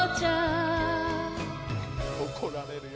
怒られるよ